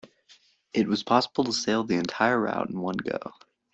It was possible to sail the entire route in one go.